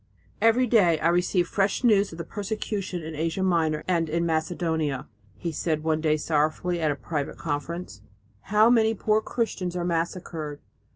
"Every day I receive fresh news of the persecution in Asia Minor and in Macedonia," he said one day sorrowfully at a private audience. "How many poor Christians are massacred!